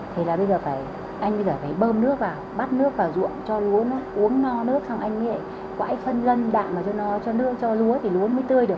thế là bây giờ phải anh phải bơm nước vào bắt nước vào ruộng cho lúa nó uống no nước xong anh mới lại quãi phân lân đạm vào cho nó cho nước cho lúa thì lúa mới tươi được